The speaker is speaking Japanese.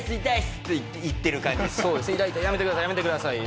やめてください